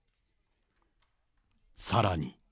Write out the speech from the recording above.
さらに。